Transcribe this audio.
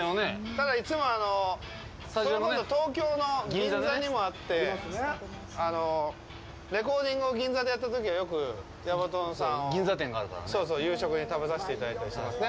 ただ、いつも、東京の銀座にもあってレコーディングを銀座でやったときはよく矢場とんさんを夕食に食べさせていただいたりしてますね。